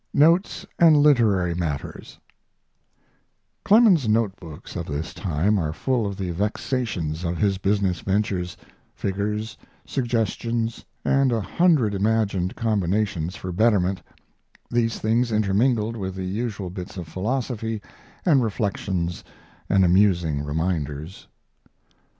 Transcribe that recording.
NOTES AND LITERARY MATTERS Clemens' note books of this time are full of the vexations of his business ventures, figures, suggestions, and a hundred imagined combinations for betterment these things intermingled with the usual bits of philosophy and reflections, and amusing reminders.